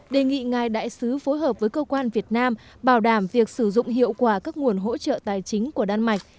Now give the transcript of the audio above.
đề nghị ngài đại sứ phối hợp với cơ quan việt nam bảo đảm việc sử dụng hiệu quả các nguồn hỗ trợ tài chính của đan mạch